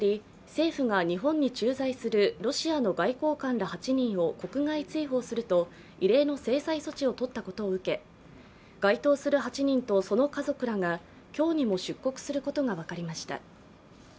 政府が日本に駐在するロシアの外交官ら８人を国外追放すると異例の制裁措置をとったことを受け該当する８人とその家族らが今日にも出国することが分かりました。